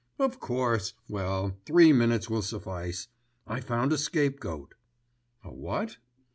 "Of course. Well, three minutes will suffice. I found a scapegoat." "A what?"